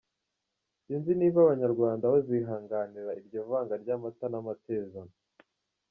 Sinzi niba abanyarwanda bazihanganira iryo vanga ry’amata n’amatezano.